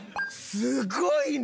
すごいね！